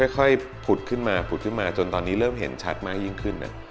ค่อยผุดขึ้นมาจนตอนนี้เริ่มเห็นชัดมากยิ่งขึ้น